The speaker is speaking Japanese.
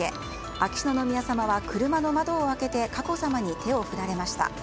秋篠宮さまは車の窓を開けて佳子さまに手を振られました。